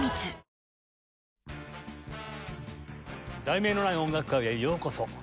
『題名のない音楽会』へようこそ。